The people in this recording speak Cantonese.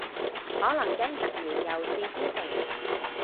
可能驚突然又試封城